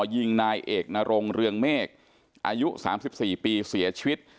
ยิงนายเอกนรงเรืองเมฆอายุ๓๔ปีเสียชีวิต